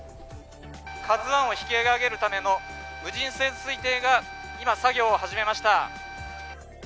「ＫＡＺＵⅠ」を引き揚げるための無人潜水艇が今、作業を始めました。